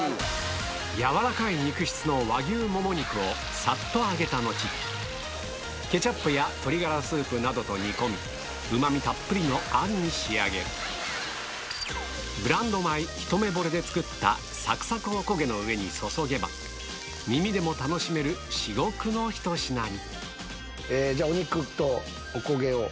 軟らかい肉質のさっと揚げた後ケチャップや鶏がらスープなどと煮込みうま味たっぷりのあんに仕上げるブランド米ひとめぼれで作ったサクサクお焦げの上に注げば耳でも楽しめる至極のひと品にお肉とお焦げを。